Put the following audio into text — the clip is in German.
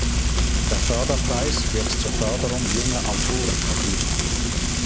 Der Förderpreis wird zur Förderung junger Autoren vergeben.